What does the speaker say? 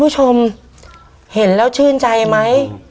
เชื่อนใจไหม